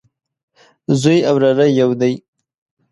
زوی او وراره يودي